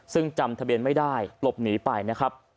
ซึ่งจำทะเบียนไม่ได้หลบหนีไปนะครับ